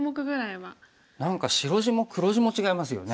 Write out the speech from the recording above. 何か白地も黒地も違いますよね。